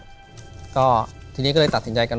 ถูกต้องไหมครับถูกต้องไหมครับ